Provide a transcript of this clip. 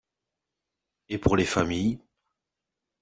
Et pour les familles